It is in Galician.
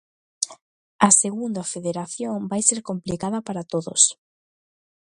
A Segunda Federación vai ser complicada para todos.